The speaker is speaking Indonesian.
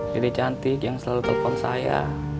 dede cantik yang selalu telepon saya